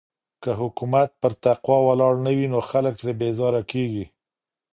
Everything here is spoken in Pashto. که حکومت پر تقوی ولاړ نه وي نو خلګ ترې بېزاره کيږي.